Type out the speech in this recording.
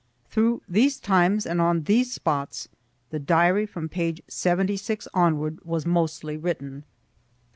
Through these times, and on these spots, the diary from page 76 onward was mostly written.